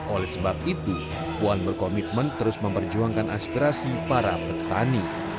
oleh sebab itu puan berkomitmen terus memperjuangkan aspirasi para petani